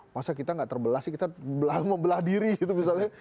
masa kita gak terbelah sih kita membelah diri gitu misalnya